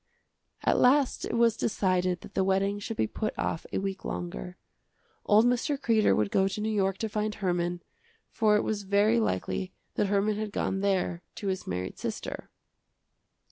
At last it was decided that the wedding should be put off a week longer. Old Mr. Kreder would go to New York to find Herman, for it was very likely that Herman had gone there to his married sister.